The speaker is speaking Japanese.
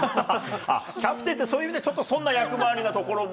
キャプテンって、そういう意味でちょっと損な役回りなところも。